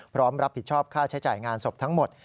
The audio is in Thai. พร้อมรับผิดชอบค่าใช้จ่ายงานศพทั้งหมด